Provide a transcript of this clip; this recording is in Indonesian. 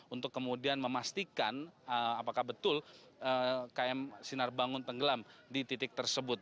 untuk kemudian memastikan apakah betul km sinar bangun tenggelam di titik tersebut